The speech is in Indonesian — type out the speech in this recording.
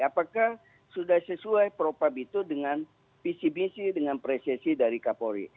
apakah sudah sesuai pro pump itu dengan visi misi dengan presisi dari kapolri